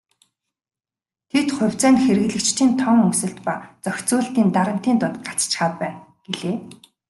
Тэд "хувьцаа нь хэрэглэгчдийн тоон өсөлт ба зохицуулалтын дарамтын дунд гацчихаад байна" гэлээ.